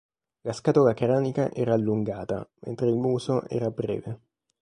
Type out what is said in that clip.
La scatola cranica era allungata, mentre il muso era breve.